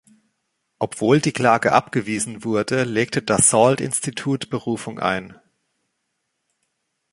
Obwohl die Klage abgewiesen wurde, legte das Salt Institut Berufung ein.